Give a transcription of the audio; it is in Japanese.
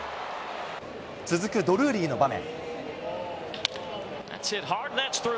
続くドルーリーの場面。